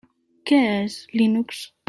Què és Linux?